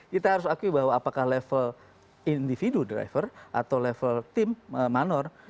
kita harus akui bahwa apakah level individu driver atau level tim manor